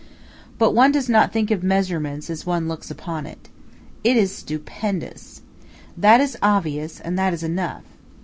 But one does not think of measurements as one looks upon it. It is stupendous. That is obvious and that is enough.